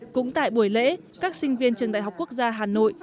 cũng tại buổi lễ các sinh viên trường đại học quốc gia hà nội